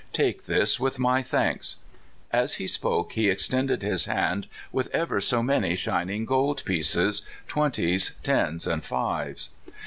Take this, with my thanks." As he spoke he extended his hand with ever so many shining gold pieces twenties, tens, and fives.